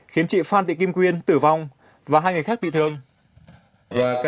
khiến chị phan thị kim quyên tử vong và hai người khác bị thương